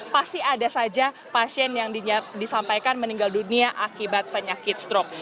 pasti ada saja pasien yang disampaikan meninggal dunia akibat penyakit strok